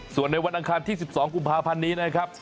ส่วนในวันอังคารที่๑๒กุมภาพันธ์นี้นะครับ